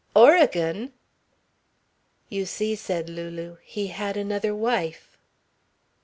"Oregon!" "You see," said Lulu, "he had another wife."